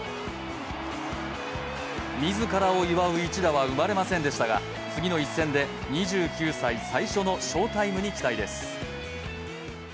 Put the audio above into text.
自らを祝う一打は生まれませんでしたが次の一戦で２９歳最初の翔タイムに期待です。